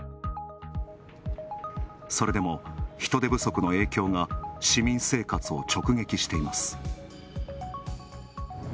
それでも人手不足の影響が市民生活を直撃しています。